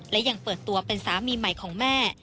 และยังเปิดตัวเป็นสามีใหม่ของแม่